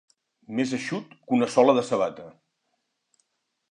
Més eixut que una sola de sabata.